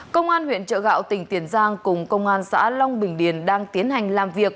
công an huyện trợ gạo tỉnh tiền giang cùng công an xã long bình điền đang tiến hành làm việc